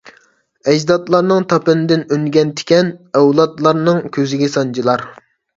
ئەجدادلارنىڭ تاپىنىدىن ئۈنگەن تىكەن، ئەۋلادلارنىڭ كۆزىگە سانجىلار.